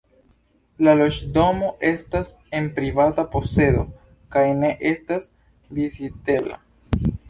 La loĝdomo estas en privata posedo kaj ne estas vizitebla.